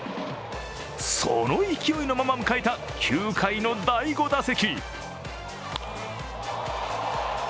その勢いのまま迎えた９回の第５打席。